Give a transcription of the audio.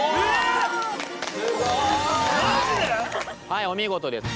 はいお見事です。